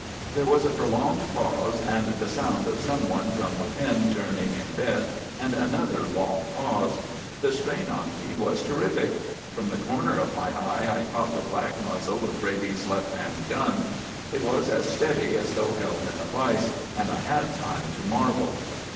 There was a prolonged pause, and the sound of someone from within turning in bed, and another long pause. The strain on me was terrific. From the corner of my eye I caught the black muzzle of Brady's left hand gun. It was as steady as though held in a vise, and I had time to marvel.